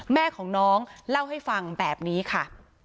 แม่ของน้องเล่าให้ฟังแบบนี้ค่ะ